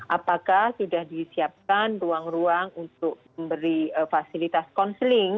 apakah sudah disiapkan ruang ruang untuk memberi fasilitas counseling